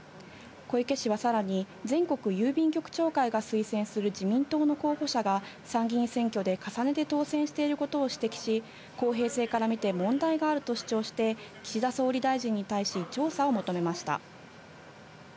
小池氏はさらに、全国郵便局長会が推薦する自民党の候補者が、参議院選挙で重ねて当選していることを指摘し、公平性から見て問題があると主張して、岸田総理大臣に対し調査を求めました。